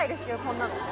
こんなの。